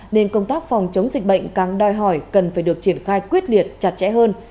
nên công tác phòng chống dịch bệnh càng đòi hỏi cần phải được triển khai quyết liệt chặt chẽ hơn